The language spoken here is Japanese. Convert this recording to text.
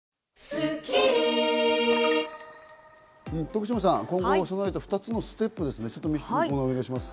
徳島さん、今後に備えた２つのステップ、お願いします。